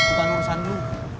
bukan urusan lo